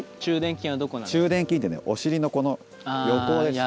中殿筋ってねお尻のこの横です。